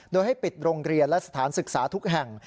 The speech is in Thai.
โดยให้ปิดโรงเรียนและสถานศึกษาทุกแห่ง